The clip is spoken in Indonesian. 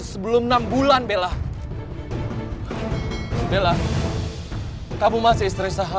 sebelum enam bulan bella